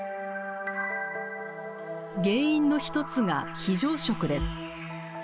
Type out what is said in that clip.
原因の１つが非常食です。